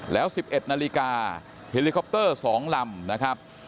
แล้ว๑๑นาฬิกาเฮลิคอปเตอร์๒ลำนะครับ